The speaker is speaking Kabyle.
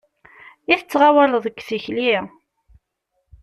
I tettɣawaleḍ deg tikli!